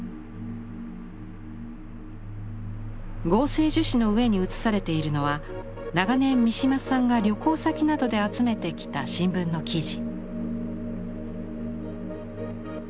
合成樹脂の上に写されているのは長年三島さんが旅行先などで集めてきた新聞の記事。